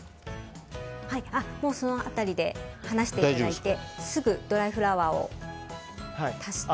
もう、その辺りで離していただいてすぐドライフラワーを足して。